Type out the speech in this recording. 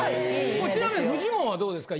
ちなみにフジモンはどうですか？